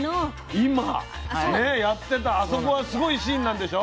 今やってたあそこはすごいシーンなんでしょ？